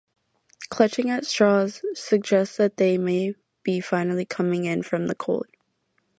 "Clutching at Straws" suggests that they may be finally coming in from the cold.